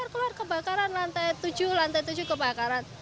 keluar kebakaran lantai tujuh lantai tujuh kebakaran